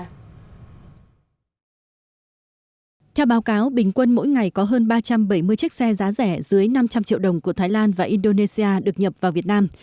theo báo cáo bình quân mỗi ngày có hơn ba trăm bảy mươi chiếc xe giá rẻ dưới năm trăm linh triệu đồng của thái lan và indonesia được nhập vào việt nam